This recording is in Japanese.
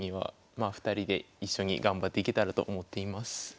まあ２人で一緒に頑張っていけたらと思っています。